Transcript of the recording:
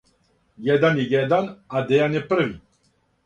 Један је један. А Дејан је први.